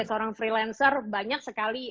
seorang freelancer banyak sekali